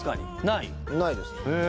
ないです